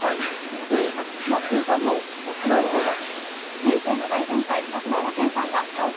で、マツケンさんのお悩み相談。